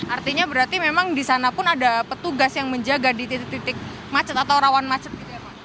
artinya berarti memang di sana pun ada petugas yang menjaga di titik titik macet atau rawan macet gitu ya pak